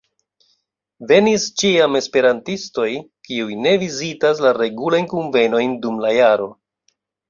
Venis ĉiam esperantistoj, kiuj ne vizitas la regulajn kunvenojn dum la jaro.